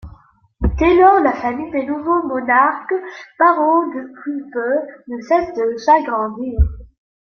Dès lors, la famille des nouveaux monarques, parents depuis peu, ne cesse de s'agrandir.